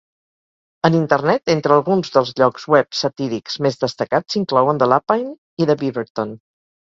En Internet, entre alguns dels llocs web satírics més destacats s'inclouen "The Lapine" i "The Beaverton".